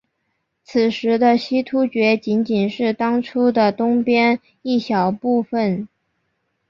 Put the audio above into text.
此时的西突厥仅仅是当初的东边一小部分。